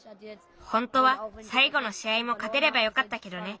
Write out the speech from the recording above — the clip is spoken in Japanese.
ほんとはさいごのしあいもかてればよかったけどね。